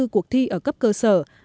cuộc thi ở cấp cơ sở